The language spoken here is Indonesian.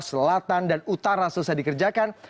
selatan dan utara selesai dikerjakan